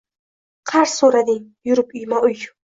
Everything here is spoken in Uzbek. qarz soʼrading, yurib uyma uy.